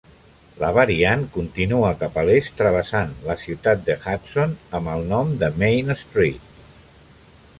La variant continua cap a l'est travessant la ciutat de Hudson amb el nom de Main Street.